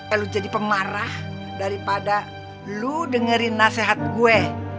eh lo jadi pemarah daripada lo dengerin nasihat gue